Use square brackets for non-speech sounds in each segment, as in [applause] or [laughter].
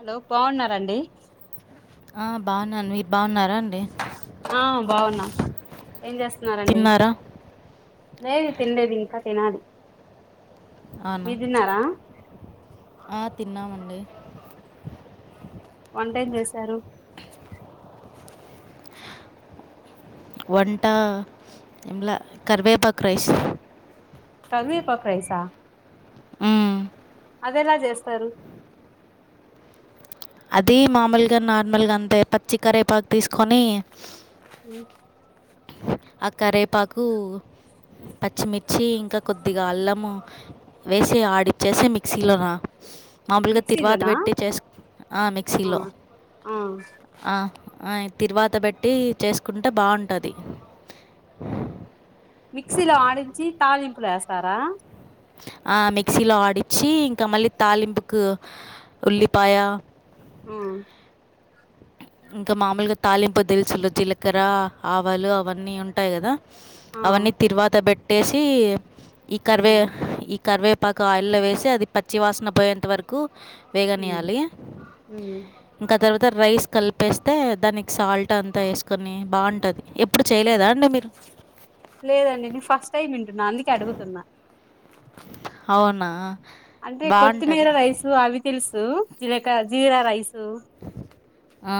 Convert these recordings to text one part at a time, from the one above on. Hello బావున్నారండి ఆ బావున్నను మీరు బావున్నరా అండి ఆ బావున్నా ఏం చేస్తున్నారండి తిన్నారా? లే తిన్లేదు ఇంక తినాలి అనా మీరు తిన్నారా ఆ తిన్నామండి వంటేం చేశారు వంటా ఏంలే కర్వేపాక్ రైస్ కర్వేపాక్ రైసా ఉమ్ అది ఎలా చేస్తరు అది మామూలుగా నార్మల్గా అంతే పచ్చి కరేపాక్ తీసుకొని ఉహ్ ఆ కరేపాకు పచ్చిమిర్చి ఇంక కొద్దిగా అల్లము వేసి ఆడిచ్చేసే మిక్సీలోనా మామూలుగా తిరువాత మిక్సీలోనా పెట్టి చేసు ఆ ఆ మిక్సీలో ఆ ఆ ఆ తిరువాత పెట్టి చేసుకుంటే బావుంటది మిక్సీలో ఆడించి తాలింపులొ ఎస్తారా ఆ మిక్సీలో ఆడిచ్చి ఇంకా మళ్ళి తాలింపుకు ఉల్లిపాయా ఉమ్ ఇంక మాములుగా తాలింపు దిలుసులు జీలకర్ర ఆవాలు అవన్నీ ఉంటాయి గదా ఆ అవన్నీ తిరువాత పెట్టేసి ఈ కర్వే ఉమ్ ఈ కర్వే పాకు ఆయిల్లో వేసి అది పచ్చి వాసన పోయేంత వరకు ఉమ్ వేగనీయాలి ఉమ్ ఇంకా తర్వాత రైస్ కలిపేస్తే దానికి సాల్ట్ అంతా ఎసుకొని బావుంటది ఎప్ ప్పుడు చేయలేదా అండి మీరు లేదండి నేన్ ఫస్ట్ టైమ్ వింటున్నా అందుకే అడుగుతున్నా హావునా అంటే కొత్తిమీర రైసు అవి తెల్సూ జీలక జీరా రైసు ఆ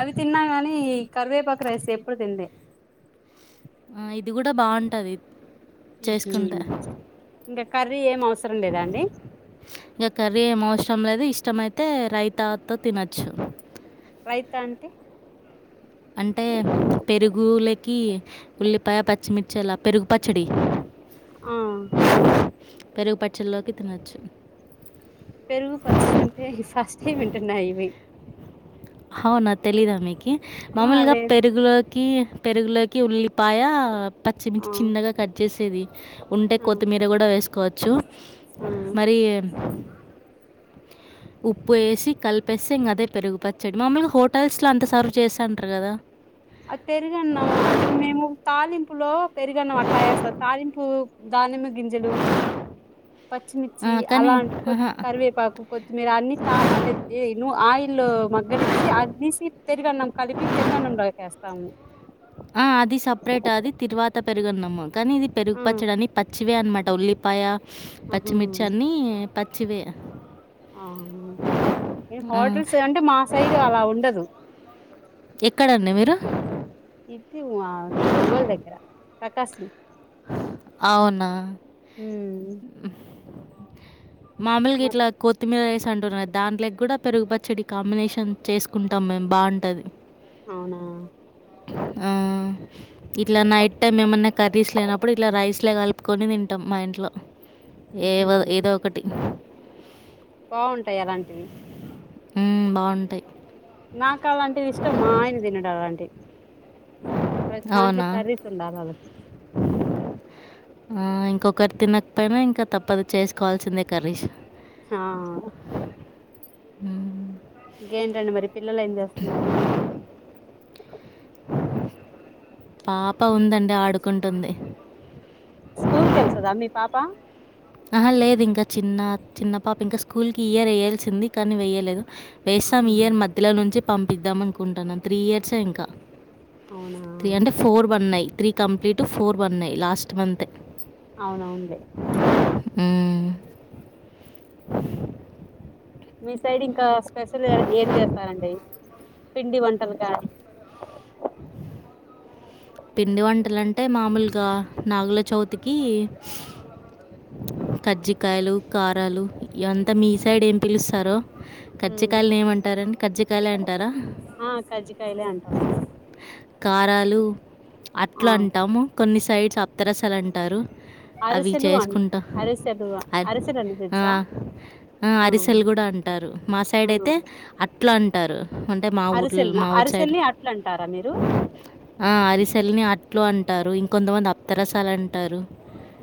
అవి తిన్నా గాని ఈ కరివేపాకు రైస్ ఎప్పుడు తిన్లే ఆ ఇది కూడా బాగుంటది ఉహ్ ఇంగ కర్రీ ఏం అవసరం లేదా అండి ఇగ కర్రీ ఏం అవసరం లేదు ఇష్టమైతే రైతాతో తినొచ్చు రైతా అంటే అంటే పెరుగూ లకి ఉల్లిపాయ పచ్చిమిర్చి అలా పెరుగు పచ్చడి ఆ పెరుగు పచ్చల్లోకి తినొచ్చు పెరుగు పచ్చడంటే ఫస్ట్ టైం వింటున్నా ఇవి హౌనా తెలీదా మీకి ఆ మామూలుగా లేదు పెరుగులోకి పెరుగులోకి ఉల్లిపాయ ఆ పచ్చిమిర్చి చిన్నగా కట్ చేసేది ఉంటే కొత్తిమీ దే గూడా వేస్కోవొచ్చు హ్మ్ మరి ఉప్పు ఏసి కలిపేస్సే ఇంగదే పెరుగు పచ్చడి మమూల్గ హోటల్స్ల అంత సర్వ్ చేస్తాంటరు కదా అది పెరుగన్నం అంటే మేము తాలింపులో పెరుగన్నం అట్లా ఎస్తం తాలింపు దానిమ్మ గింజలు పచ్చిమిర్చి కానీ అలాంటి కొ కరివేపాకు కొత్తిమీర అన్ని అంటే ఎ ను ఆయిల్లో మగ్గనిచ్చి అగ్గీసి పెరుగన్నం కలిపి పెరుగన్నంలో ఎస్తాము ఆ అది సప్రేట్ అది తిరువాత పెరుగున్నాం కానీ ఇది పెరుగు ఆ పచ్చడని పచ్చివే అన్మా ట ఉల్లిపాయ ఆహా పచ్చిమిర్చి అన్నీ పచ్చివే అవునా ఏ ఆ! హోటల్స్ అంటె మా సైడు అలా ఉండదు ఎక్కడండి మీరు ఇటు ఆది ఒంగోల్ దగ్గర ప్రకాసం ఔనా ఉమ్ మస్త్ మామూల్గిట్లా కొత్తిమీర రైస్ అంటున్నా దాంట్లకి గూడా పెరుగు పచ్చడి కాంబినేషన్ చేస్కుంటాం మేం బాంటది ఔనా ఆ ఇట్ల నైట్ టైమ్ ఏమన్నా కర్రీస్ లేనప్పుడు ఇట్ల రైస్లే కల్పుకోని తింటం మా ఇంట్లో ఉహు ఏవొ ఏదోక టి బా ఉంటై అలాంటివి ఉ బాంటై నాకు అలాంటిది ఇష్టం మా ఆయన తినడు అలాంటి ప్రతి దాంట్లో అవునా? కర్రీస్ ఉండాలి ఆళ్ళకి ఆ ఇంకొకరు తినక్పోనా ఇంకా తప్పదు చేస్కోవాల్సిందే కర్రీస్ హా హ్మ్. ఇంకేంటండి మరి పిల్లలేం చేస్తున్నారు పాప ఉందండి ఆడుకుంటుంది స్కూల్కెల్తదా మీ పాప ఆహ లేదు ఇంకా చిన్న చిన్న పాప ఇంకా స్కూల్కి ఈ ఇయర్ ఎయ్యాల్సింది కానీ వెయ్యలేదు వేస్తాం ఉహుం. ఈ ఇయర్ మధ్యలో నుంచి పంపిద్దాం అనుకుంటున్నా త్రీ ఇయర్సే ఇంకా ఔనా త్రీ అంటే ఫోర్ బన్నై త్రీ కంప్లీట్ ఫోర్ బన్నై లాస్ట్ మంతే అవునవునులే ఉ మీ సైడ్ ఇంకా స్పెషల్ ఏం చేత్తారండి పిండి వంటలు కా [inaudible] పిండి వంటలంటే మామూలుగా నాగుల చవుతికి కజ్జికాయలు కారాలు ఇ అంతా మీ సైడ్ ఏం పిలుస్తారో ఉమ్. కజ్జికాయలని ఏమంటారండి కజ్జికాయలే అంటారా ఆ కజ్జికాయలే అంటాము కారాలు ఆ అట్లా అంటాము కొన్ని సైడ్స్ అతరసాలు అంటారు అవి అరిసెలు అన్ చేసుకుంటా అరిసెలు అరి అరిసెలు అని ఆ తెలుసా ఆ అరిసెలు కూడా అం ంటారు మా సైడ్ ఆ అయితే అట్లు అంటారు అంటే మా ఊ మా ఊ సేల్ని అట్ల అంటారా మీరు ఆ అరిసెల్ని అట్లు అంటారు ఇంకొంతమంది అప్తరసాలు అంటారు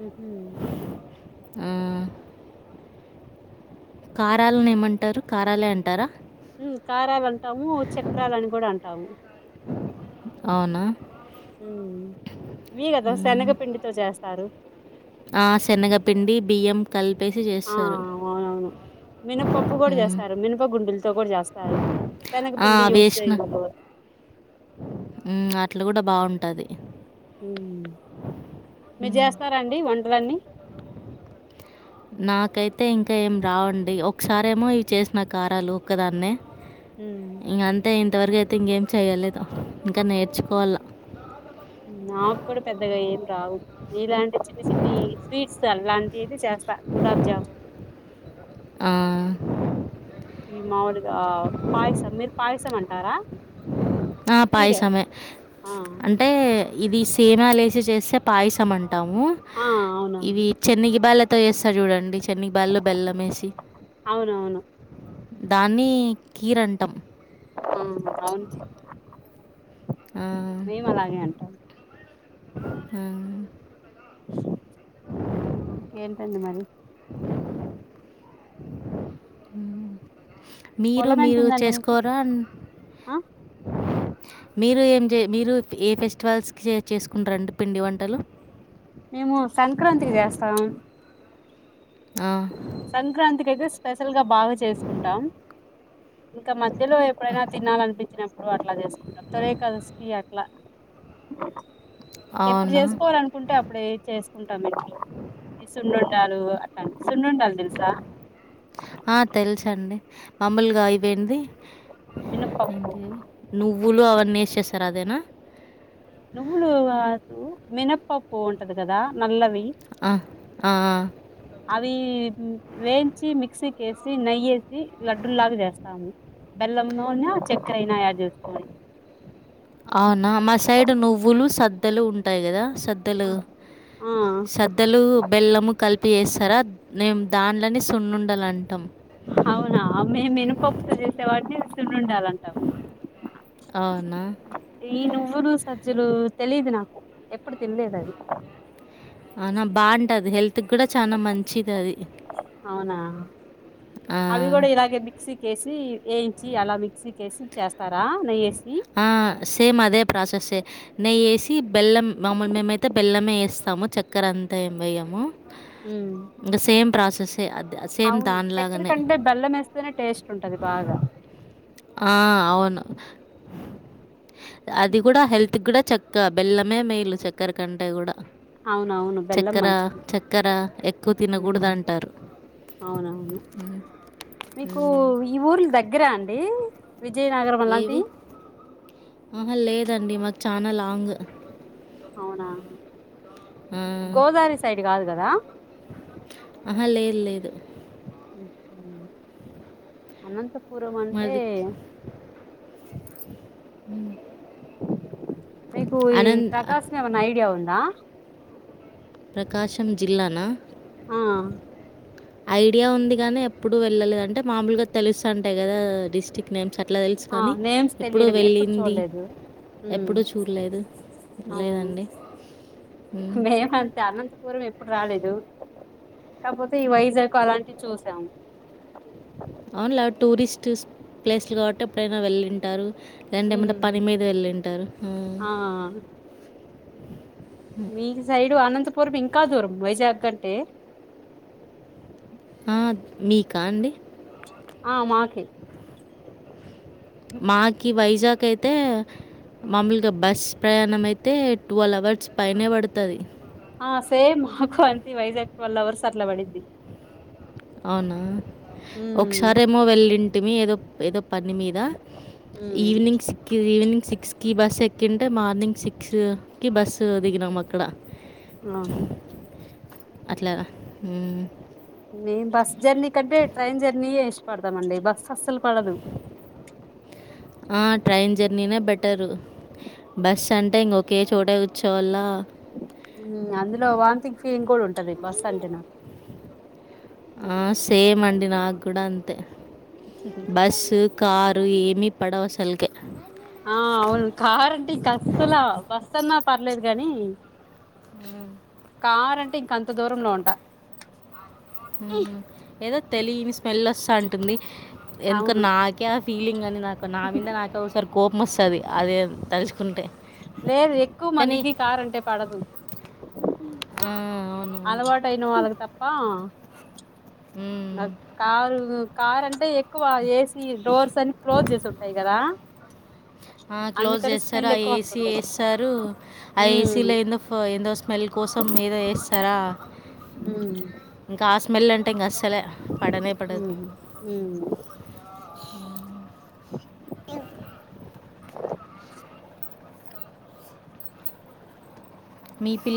ఉహు ఉమ్ కారాలని ఏమంటారు కారాలే అంటారా ఉమ్ కారాలు అంటాము చక్రాలని కూడా అంటాము అవునా వీ కదా శనగ పిండి తో చేస్తారు ఆ శనగపిండి బిఎం కల్పేసి చే ఆ అవునవును మినపప్పు కూడా మ్మ్. చేస్తారు మినప గుండులతో కూడా చేస్తా రు శెనగ పిండి యూజ్ చేయకూడదు ఉమ్ అట్లు కూడా బాగుంటది ఉమ్ మీరు చేస్తారాండి వంటలన్నీ నాకైతే ఇంకా ఏం రావండి ఒకసారేమో ఇవి చేసిన కారాలు ఒక్కదాన్నే ఉమ్ ఇంగ అంతే ఇంతవరకు అయితే ఇంకేం చేయలేదు ఇంకా నేర్చుకోవాలా నాకు కూడా పెద్దగా ఏం రావు ఇలాంటి చిన్న చిన్ని స్వీట్స్ అలాంటి అయితే చేస్తా గులాబ్ జామ్ ఆ ఇవి మాములుగా పాయసం మీరు పాయసం అంటారా ఆ కీర పాయిసమే ఆ అం టే ఇది సేమియలేసి చేస్తే పాయసం అంటాము ఆ ఇవి అవునవును చెన్ని గి బాళ్ళతో చేస్తరు చూడండి చెన్నిగి బాళ్ల బెల్లం వేసి అవునవును దాన్ని కీర్ అంటాం ఆమ్ అవును ఆ మేము అలాగే అంటాం ఆమ్ ఇంకేంటండి మరి ఉమ్ మీరు పొలం ఎంత మీరు ఉందండి మీకు చేసుకోరా ఆ మీరు ఏం చే మీరు ఏ ఫెస్టివల్స్ కి చేసుకుంటారండి పిండి వంటలు మేము సంక్రాంతికి చేస్తాం ఆ సంక్రాంతికి అయితే స్పెషల్ గా బాగా చేసుకుంటాం ఇంకా మధ్యలో ఎప్పుడైనా తినాలినిపించినప్పుడు అట్లా చేసుకుంటాం తొలి ఏకాదశికి అట్లా ఎప్పుడు అవునా చేసుకోవాలనుకుంటే అప్పు ప్పుడే చేసుకుంటాం ఇట్లా ఇ సున్నుండాలు అట్లాంటివి సున్నుండాలు తెలుసా ఆ తెలుసండి మామూలుగా ఇవేంది మినపప్పు నువ్వులు అవన్నీ వేసి చేస్తరు అదేనా నువ్వులు కాదు మినప్పప్పు ఉంటది కదా నల్లవి ఆ ఆ ఆ అవి వేయించి మిక్సీకేసి నెయ్యేసి లడ్డూలు లాగా చేస్తాన్ స్తాను బెల్లం నూనె చక్కర అయినా యాడ్ జెస్కోని ఔనా మా సైడ్ నువ్వులు సద్దలు ఉంటాయి గదా సద్దలు ఆ స ద్దలు బెల్లము కలిపి వేస్తారా మేం దాన్లని సున్నుండల్ అంటాం అవునా మేం మినప్పప్పు తో జేసేవాటిని సున్నుండాలు అంటా అవునా ఈ నువ్వులు సజ్జలు తెలీదు నాకు ఎప్పుడు తినలేదు అది అవునా బాగా అంటది హెల్త్ గుడా చాలా మంచిది అది అవునా ఆ, అవి కూడా ఇలాగే మి క్సీ కేసి వేయించి అలా మిక్సీ కేసి చేస్తారా నెయేసి ఆ సేమ్ అదే ప్రాసెస్సే. నెయ్యి ఏసి బెల్లం మామూల్ మేమైతే బెల్లమే ఏస్తాము చక్కెర అంతా ఏం వేయము. ఉమ్ ఇంగ సేమ్ ప్రాసెస్సే అద్ సేమ్ దాన్లాగానే. ఇట్లనే టేస్ట్ ఉంటది బాగా. ఆ అవును. అది గూడా హెల్త్ గూడా చక్క బెల్లమే మేలు చక్కెర కంటే గూడా. అవునవును బెల్లం చెక్కర మంచిది చక్కర ఎక్కువ ఉమ్ తినగూడదంటారు. అవునవును మీకు హ్మ్. ఈ ఊర్లు దగ్గరా అండి. విజయనగరం. ఏవి అలాంటివి ఆహా లేదండి మాక్ చానా లాంగ్. గోదావరి సైడ్ గాదు గదా. ఆహ లేద్ లేదు. అనంతపురం అంటే. ఉమ్ మీకు ఈ అనంత్ ప్రకాసన్ ఏమన్న ఐడియా ఉందా. ప్రకాశం జిల్లానా. ఆ. ఐడియా ఉంది గానీ ఎప్పుడు వెళ్ళలేద్ అంటే మాములుగా తెలుస్తంటాయి గదా డిస్టిక్. నేమ్స్ అట్లా దెల్స్ ఆ గాని నేమ్స్ ఎప్పుడు తెలియడమే వెళ్ళింది‌. చూడలేదు ఉమ్ ఎప్పుడుూ చూడ్లేదు లేదండి. మ్మ్. మేం అంతే అనంతపూరం ఎప్. పుడు రాలేదు కాకపోతే ఈ వైజాగ్ అలాంటివి చూసాం. అవునులే టూరిస్ట్స్ ప్లేస్లు గావట్టి ఎప్పుడైనా వెళ్ళింటారు. లేదంటే ఏమన్న ఉమ్ పని మీద వెళ్ళింటరు‌. ఆ మీక్ సైడు అనంతపురం ఇంకా దూరం వైజాగ్ కంటే. ఆ మీకా అండి. ఆ మాకే. మాక్ ఈ వైజాగ్ అయితే. మాముల్గా బస్ ప్రయాణం అయితే ట్వెల్వ్ అవర్స్ పైనే పడ్తది. ఆ సేమ్ మాకు అంతే వైజాగ్ టువెల్వ్ అవర్స్ అట్లా పడిద్ది. ఔనా ఉమ్ ఒకసారి ఏమో వెళ్ళింటిమి ఏదో ఏదో. పని మీద ఉమ్ ఈవినింగ్స్ సిక్. గా ఈవినింగ్ సిక్స్కి బస్ ఎక్కింటే మార్నింగ్ సిక్స్. కి బస్సు దిగినాం అక్కడ. ఆహ. అట్లా ఉమ్. మేం బస్ జర్నీ కంటే ట్రైన్ జర్నీయే ఇష్టపడతాంమండి బస్సు అస్సలు పడదు. ఆ ట్రైన్ జర్నీనే బెటరు. బస్ అంటే ఇంగా ఒకే చోట గూర్చోవళా. అందులో వాంతింగ్ ఫీలింగ్ కూడా ఉంటది బస్ అంటే నాకు. ఆ సేమ్ అండి నాకు కూడా అంతే. సరే. బస్సు కారు ఏమీ పడవసలకే. ఆ అవును కారు ఇంకా అస్సలా బస్ అన్నా పర్లేదు కాని. ఉమ్. కార్ అంటే ఇంక అంత దూరంలో ఉంటా ఏదో తెలియని స్మెల్ అస్తా అంటుంది ఎందుకని అవును నాకే ఆ ఫీలింగ్ అని నాకు నా మీద నాకే రి కోపం వస్తది అది తలుచుకుంటే లేదు ఎక్కువ కానీ మందికి కార్ అంటే పడదు ఆ అవును వాళకు తప్ప మ్మ్. కారు కారు అంటే ఎక్కువ ఏసీ డోర్స్ అని క్లోజ్ చేసి ఉంటాయి కదా ఆ క్లోజ్ అందుకని చేస్తారు ఆ స్మెల్ ఎక్కువ ఏసీ వస్తుంటాయి ఏస్తారు ఆ ఉమ్ ఏసీలో ఫ్ ఎదో స్మెల్ కోసం మీద ఏస్తారా ఉమ్ ఇంకా ఆ స్మెల్ అంటే ఇంగ అస్సలే పడనే పడదు ఉమ్ ఉమ్ మీ పిల్ల